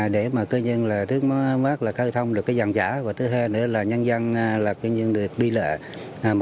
bà con nhân dân đánh giá cao